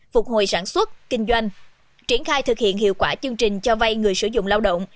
phục hồi sản xuất kinh doanh triển khai thực hiện hiệu quả chương trình cho vay người sử dụng lao động